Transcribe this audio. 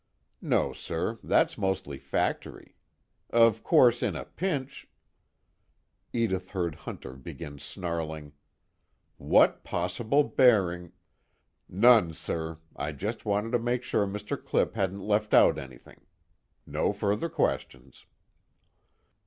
"No, sir, that's mostly factory. Of course, in a pinch " Edith heard Hunter begin snarling: "What possible bearing " "None, sir. I just wanted to make sure Mr. Clipp hadn't left out anything. No further questions."